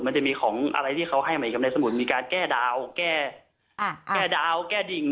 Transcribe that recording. มันจะมีของอะไรที่เขาให้ใหม่กับในสมุนมีการแก้ดาวแก้แก้ดาวแก้ดิ่ง